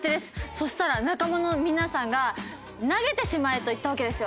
そしたら仲間の皆さんが「投げてしまえ」と言ったわけですよ。